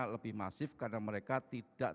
lebih masif karena mereka tidak